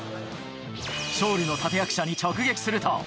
勝利の立て役者に直撃すると。